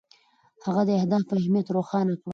هغه د اهدافو اهمیت روښانه کړ.